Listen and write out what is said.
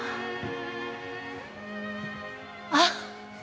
あっ！